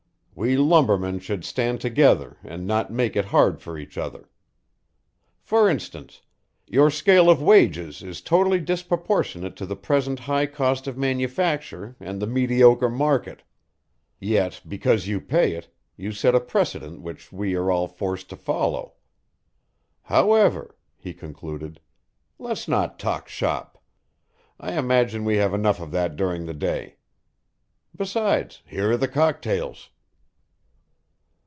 We lumbermen should stand together and not make it hard for each other. For instance, your scale of wages is totally disproportionate to the present high cost of manufacture and the mediocre market; yet just because you pay it, you set a precedent which we are all forced to follow. However," he concluded, "let's not talk shop. I imagine we have enough of that during the day. Besides, here are the cocktails."